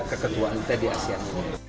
ke ketua anggota di asean